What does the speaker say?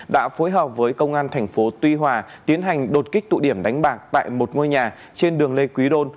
đã phối hợp với công an thành phố tuy hòa tiến hành đột kích tụ điểm đánh bạc tại một ngôi nhà trên đường lê quý đôn